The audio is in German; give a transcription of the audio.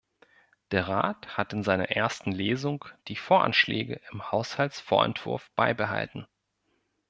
Der Rat hat in seiner ersten Lesung die Voranschläge im Haushaltsvorentwurf beibehalten.